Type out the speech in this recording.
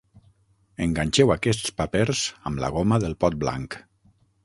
Enganxeu aquests papers amb la goma del pot blanc.